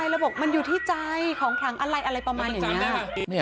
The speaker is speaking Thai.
แล้วบอกมันอยู่ที่ใจของขลังอะไรอะไรประมาณอย่างนี้